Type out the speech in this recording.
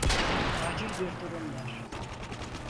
Acil bir durum var.